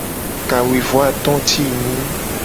Kawuivoato ti enyi.